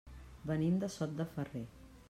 Venim de Sot de Ferrer.